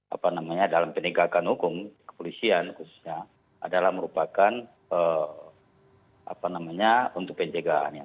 apa namanya dalam penegakan hukum kepolisian khususnya adalah merupakan apa namanya untuk pencegahannya